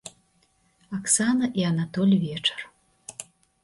Аксана і анатоль вечар.